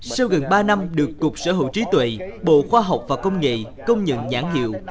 sau gần ba năm được cục sở hữu trí tuệ bộ khoa học và công nghệ công nhận nhãn hiệu